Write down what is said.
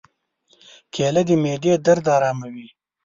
کېله د معدې درد آراموي.